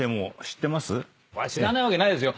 知らないわけないですよ。